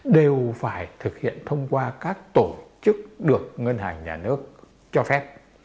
đều phải thực hiện thông qua các tổ chức được ngân hàng nhà nước